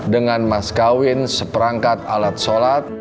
dengan mas kawin seperangkat alat sholat